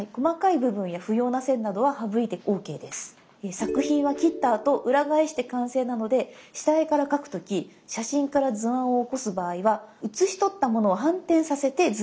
作品は切ったあと裏返して完成なので下絵から描く時写真から図案を起こす場合は写しとったものを反転させて図案にしましょう。